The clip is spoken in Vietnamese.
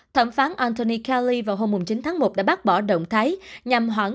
thẩm phán anthony kelly vào hôm chín tháng một đã bác bỏ động thái